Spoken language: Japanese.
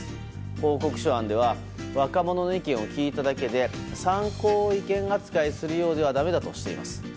報告書案では若者の意見を聞いただけで参考意見扱いするようではだめだとしています。